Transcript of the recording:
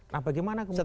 nah bagaimana kemudian